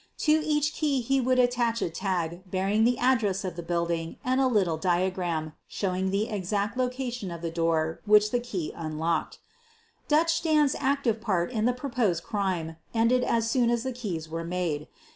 To each key he would attach a tag bearing the address of the building and a little diagram showing the exact location of the door which the key unlocked. " Dutch Dan's" active part in the proposed crime ended as soon as the keys were made.